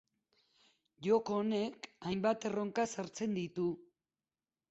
Joko honek hainbat erronka ezartzen ditu.